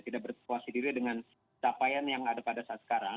tidak berpuasa diri dengan capaian yang ada pada saat sekarang